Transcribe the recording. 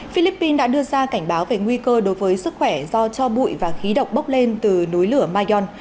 philippines đã đưa ra cảnh báo về nguy cơ đối với sức khỏe do cho bụi và khí độc bốc lên từ núi lửa mayon